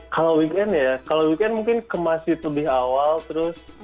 kalau weekend ya kalau weekend mungkin ke masjid lebih awal terus